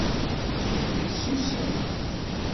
Yessusem.